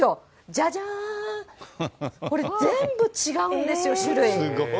じゃじゃーん、これ、全部違うんですよ、種類。